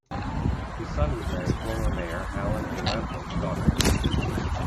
His son would marry former mayor Allan A. Lamport's daughter.